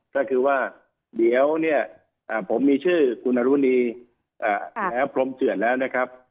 ก็คือว่าเดี๋ยวเนี่ยผมมีชื่อคุณอรุณีพรมเจือนแล้วนะครับ